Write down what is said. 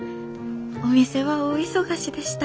お店は大忙しでした。